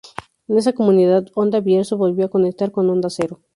En esa comunidad, Onda Bierzo volvió a conectar con Onda Cero.